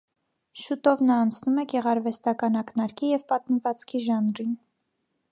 Շուտով նա անցնում է գեղարվեստական ակնարկի և պատմվածքի ժանրին։